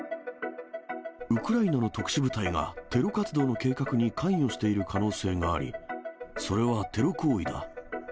ウクライナの特殊部隊がテロ活動の計画に関与している可能性があり、それはテロ行為だ。